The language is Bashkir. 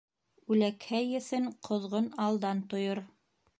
Үләкһә еҫен ҡоҙғон алдан тойор.